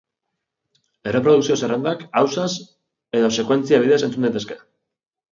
Erreprodukzio zerrendak ausaz edo sekuentzia bidez entzun daitezke.